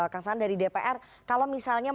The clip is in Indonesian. kang saan dari dpr kalau misalnya